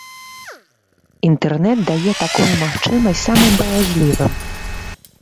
Інтэрнэт дае такую магчымасць самым баязлівым.